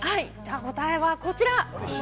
答えはこちら。